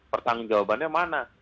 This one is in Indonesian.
pertanggung jawabannya mana